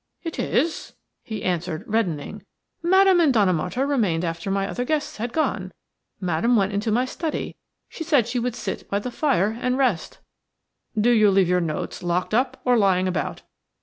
"It is," he answered, reddening. "Madame and Donna Marta remained after my other guests had gone. Madame went into my study. She said she would sit by the fire and rest." "Do you leave your notes locked up or lying about?"